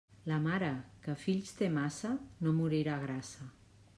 La mare que fills té massa, no morirà grassa.